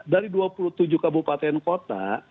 dari dua puluh tujuh kabupaten kota